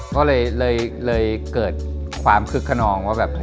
ก็เลยเลยเกิดความคึกขนองว่าแบบ